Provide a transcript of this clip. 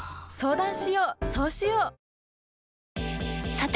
さて！